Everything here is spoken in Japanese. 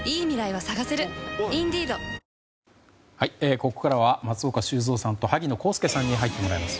ここからは松岡修造さんと萩野公介さんに入ってもらいます。